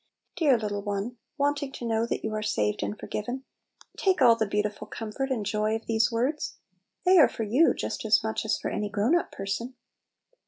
Dear little one, wanting to know that you are saved and forgiven, take all the beautiful com fort and joy of these words ! They arc for you just as much as for any grown up person.